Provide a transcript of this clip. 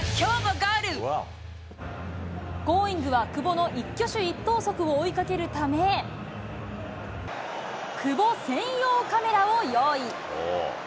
Ｇｏｉｎｇ！は久保の一挙手一投足を追いかけるため、久保専用カメラを用意。